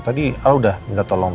tadi ah udah minta tolong